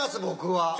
僕は。